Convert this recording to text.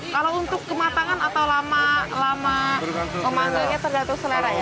kalau untuk kematangan atau lama memanggilnya tergantung selera ya